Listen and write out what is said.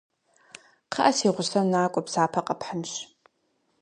Кхъыӏэ, си гъусэу накӏуэ, псапэ къэпхьынщ.